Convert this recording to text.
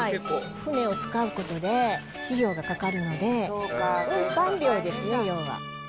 船を使うことで、費用がかかるので、運搬料ですね、要は。